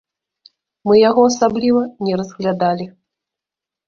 Мы яго асабліва не разглядалі.